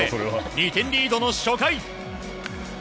２点リードの初回。